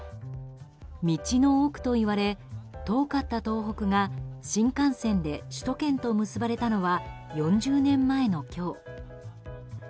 道の奥と言われ遠かった東北が新幹線で首都圏と結ばれたのは４０年前の今日。